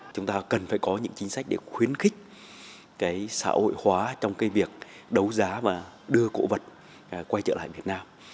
chúng ta cần phải có những chính sách để khuyến khích cái xã hội hóa trong cái việc đấu giá và đưa cổ vật quay trở lại việt nam